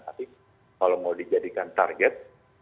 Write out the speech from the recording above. tapi kalau mau dijadikan target